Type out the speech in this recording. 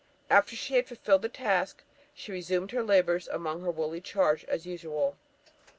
After she had fulfilled this task, she resumed her labours among her woolly charge as usual."